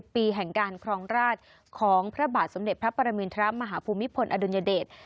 ๗๐ปีแห่งการครองราชของพระบาทสมเด็จพระปรมีนทะมมอดุญเดต